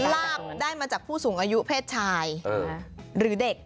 ลาบได้มาจากผู้สูงอายุเพศชายหรือเด็ก